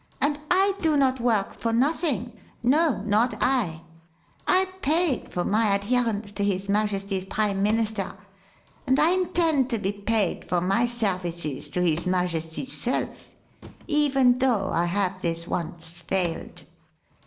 "And I do not work for nothing no, not I! I paid for my adherence to his Majesty's Prime Minister and I intend to be paid for my services to his Majesty's self, even though I have this once failed.